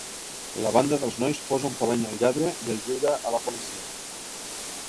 La banda dels nois posa un parany al lladre, i el lliura a la policia.